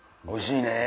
おいしいね。